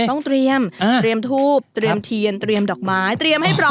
ต้องเตรียมเตรียมทูบเตรียมเทียนเตรียมดอกไม้เตรียมให้พร้อม